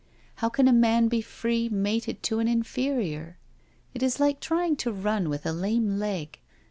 — ^how can a man be free mated to an inferior? It is like trying to run with a lame leg.